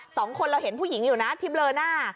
สองคนเราเห็นผู้หญิงอยู่นะที่เบลอหน้า